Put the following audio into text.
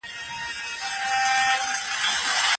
هغه د برخلیک له بېباکۍ نه وېرېږي.